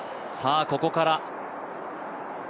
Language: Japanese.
さあ、ここから。